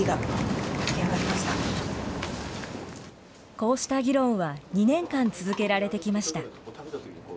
こうした議論は２年間続けられてきました。